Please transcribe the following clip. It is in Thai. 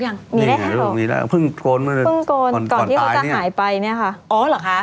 อย่างมีเรามีแล้วเพิ่งพร้อมการรายเนี้ยแน่ฟะอ๋อเหรอคะ